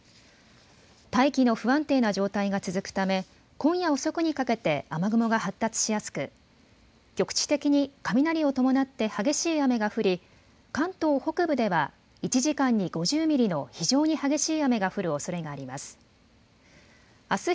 大気の不安定な状態が続くため今夜遅くにかけて雨雲が発達しやすく局地的に雷を伴って激しい雨が降り関東北部では１時間に５０ミリの非常に激しい雨が降るおそれがあります。